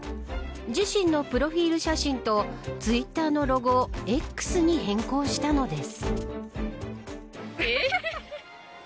自身のプロフィル写真とツイッターのロゴをＸに変更したのです。